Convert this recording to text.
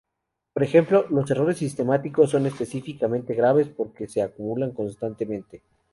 Por ejemplo, los errores sistemáticos son específicamente graves, porque se acumulan constantemente.